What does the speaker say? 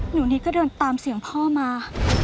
นิดก็เดินตามเสียงพ่อมา